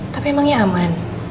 tapi emangnya aman